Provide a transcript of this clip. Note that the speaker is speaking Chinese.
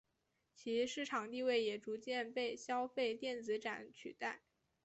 其市场地位也逐渐被消费电子展取代。